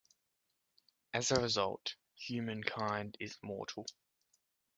As a result, humankind is mortal.